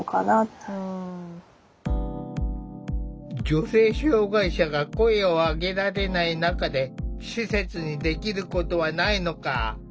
女性障害者が声を上げられない中で施設にできることはないのか？